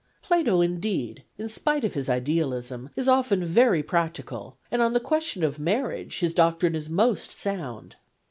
Plato, indeed, in spite of his idealism, is often very practical, and on the question of marriage his doctrine is most sound.